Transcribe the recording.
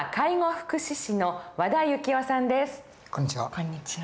こんにちは。